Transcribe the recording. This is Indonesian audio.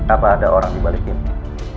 apa ada orang di balik ini